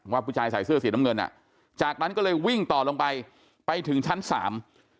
ผู้ชายใส่เสื้อสีน้ำเงินอ่ะจากนั้นก็เลยวิ่งต่อลงไปไปถึงชั้นสาม